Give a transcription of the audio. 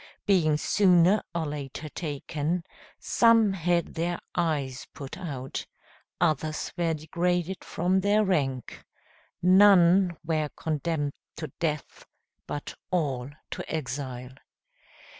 Being sooner or later taken, some had their eyes put out, others were degraded from their rank, none were condemned to death, but all to exile.